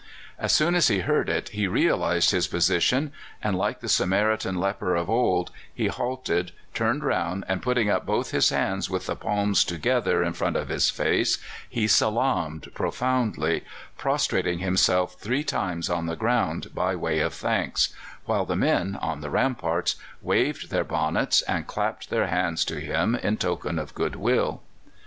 As soon as he heard it he realized his position, and like the Samaritan leper of old, he halted, turned round, and putting up both his hands with the palms together in front of his face, he salaamed profoundly, prostrating himself three times on the ground by way of thanks, while the men on the ramparts waved their bonnets and clapped their hands to him in token of goodwill.